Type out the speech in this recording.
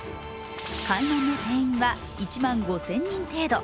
観覧の定員は１万５０００人程度。